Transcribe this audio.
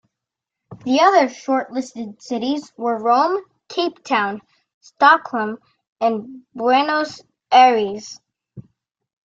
The other shortlisted cities were Rome, Cape Town, Stockholm and Buenos Aires.